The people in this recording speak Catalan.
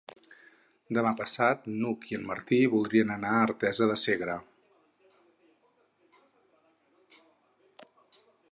Demà passat n'Hug i en Martí voldrien anar a Artesa de Segre.